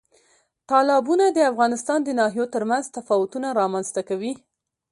تالابونه د افغانستان د ناحیو ترمنځ تفاوتونه رامنځ ته کوي.